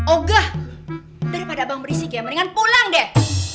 oga daripada abang berisik ya mendingan pulang deh